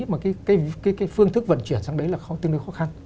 mà cái phương thức vận chuyển sang đấy là không tương đối khó khăn